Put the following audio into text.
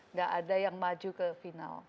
nggak ada yang maju ke final